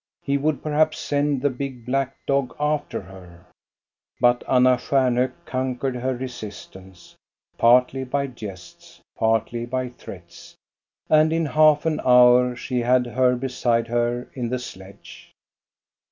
He would perhaps send the big black dog after her. But Anna Stjarnhok conquered her resistance, partly by jests, partly by threats, and in half an GHOST STORIES. 207 hour she had her beside her in the sledge.